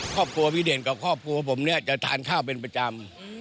ครอบครัวพี่เด่นกับครอบครัวผมเนี่ยจะทานข้าวเป็นประจำ